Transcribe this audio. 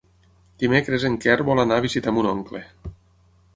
Dimecres en Quer vol anar a visitar mon oncle.